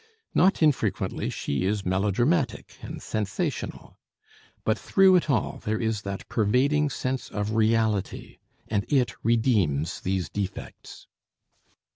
Not infrequently she is melodramatic and sensational. But through it all there is that pervading sense of reality and it redeems these defects.